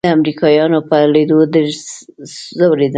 د امريکايانو په ليدو ډېر ځورېدم.